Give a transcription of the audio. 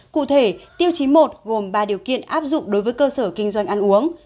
cụ thể tiêu chí một gồm ba điều kiện áp dụng đối với cơ sở kinh doanh ăn uống